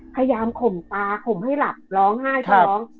พยายามข่มตาข่มให้หลับร้องไห้ก็ร้อง